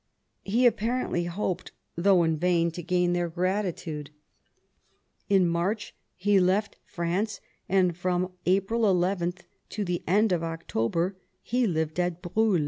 He apparently hoped, though in vain, to gain their gratitude. In March he left France, and from April 1 1 to the end of October he lived at Briihl.